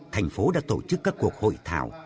thành phố đã tổ chức các cuộc hội thảo